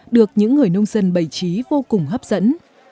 được những người nông dân bày trí vô cùng hấp dẫn